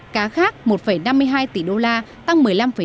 cá khác một năm mươi hai tỷ đô la tăng một mươi năm năm